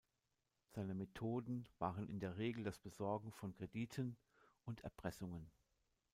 Seine Methoden waren in der Regel das Besorgen von Krediten und Erpressungen.